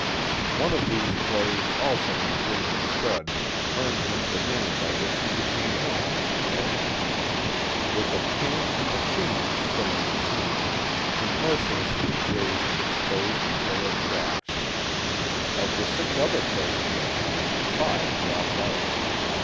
One of these plays also in a game of stud earned him the name by which he became known in the North. With a king, and a queen, showing in his own hand he mercilessly raised an exposed pair of Jacks. Of the six other players in the game five dropped out.